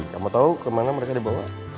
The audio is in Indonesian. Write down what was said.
kamu tahu ke mana mereka dibawa